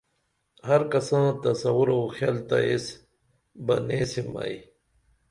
ہر کساں تصورو خِیل تہ ایس بہ نیسیم ائی